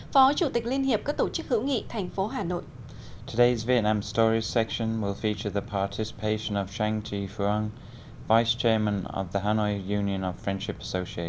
phó chủ tịch liên hiệp các tổ chức hữu nghị thành phố hà nội